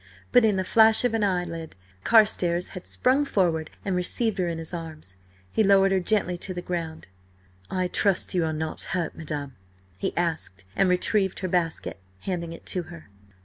But in the flash of an eyelid Carstares had sprung forward and received her in his arms. He lowered her gently to the ground. "I trust you are not hurt, madam?" he asked, and retrieved her basket, handing it to her.